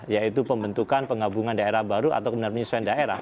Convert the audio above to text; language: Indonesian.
yaitu pembentukan penggabungan daerah baru atau penyesuaian daerah